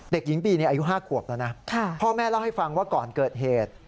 เด็กหญิงบีอายุ๕ขวบแล้วนะพ่อแม่เล่าให้ฟังว่าก่อนเกิดเหตุ